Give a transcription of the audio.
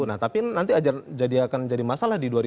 nah tapi nanti akan jadi masalah di dua ribu dua puluh